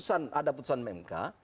ada putusan mk